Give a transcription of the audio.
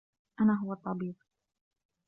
أنا هو الطّبيب.